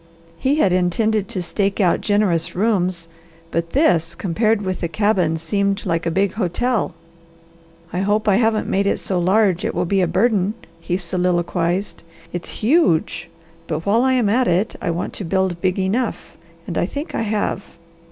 He had intended to stake out generous rooms, but this, compared with the cabin, seemed like a big hotel. "I hope I haven't made it so large it will be a burden," he soliloquized. "It's huge! But while I am at it I want to build big enough, and I think I have."